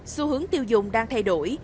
xu hướng tiêu dùng đang thay đổi